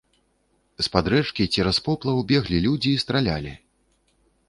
З-пад рэчкі, цераз поплаў, беглі людзі і стралялі.